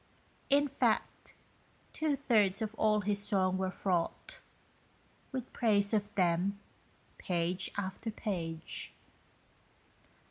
In fact, two thirds of all his song was fraught With praise of them, page after page.